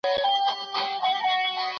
ولي د ځوانانو سیاسي ګډون اړین دی؟